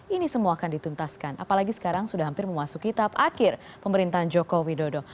ini semua akan dituntaskan apalagi sekarang sudah hampir memasuki tahap akhir pemerintahan joko widodo